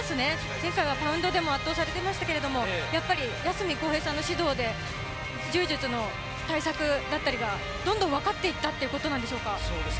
前回はパウンドでも圧倒されていましたけどやっぱり八隅孝平さんの指導で柔術の対策だったりがどんどん分かっていったということでしょうか。